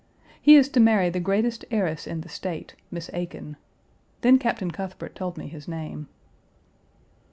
He is to marry the greatest heiress in the State, Miss Aiken. Then Captain Cuthbert told me his name.